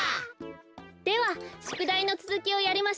ではしゅくだいのつづきをやりましょう。